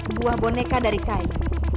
sebuah boneka dari kain